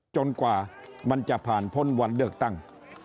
กว่ามันจะผ่านพ้นวันเลือกตั้ง